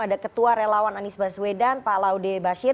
ada ketua relawan anies baswedan pak laude bashir